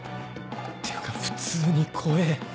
っていうか普通に怖えぇ